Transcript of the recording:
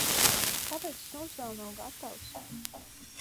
Kāpēc suns vēl nav gatavs?